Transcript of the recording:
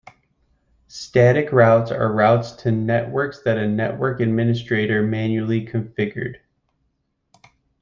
Static routes are routes to networks that a network administrator manually configured.